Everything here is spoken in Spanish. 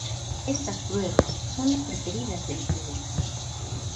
Estas pruebas son las preferidas del público.